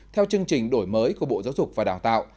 theo chương trình đổi mới của bộ giáo dục và đào tạo